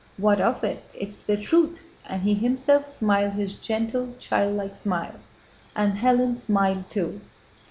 "What of it? It's the truth!" and he himself smiled his gentle childlike smile, and Hélène smiled too.